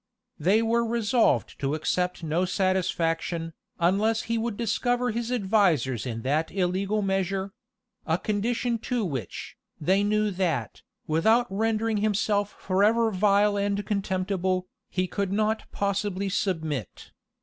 [*] They were resolved to accept of no satisfaction, unless he would discover his advisers in that illegal measure; a condition to which, they knew that, without rendering himself forever vile and contemptible, he could not possibly submit.